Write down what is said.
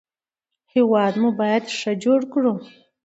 هېواد مو باید ښه جوړ کړو